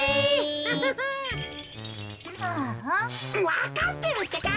わかってるってか！